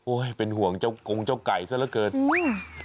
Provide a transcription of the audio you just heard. โอ๊ยเป็นห่วงเจ้ากงเจ้าไก่ซะละเกินจริงเหรอ